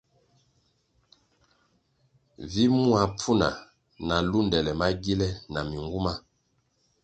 Vi mua pfuna na lundele magile na minwuma.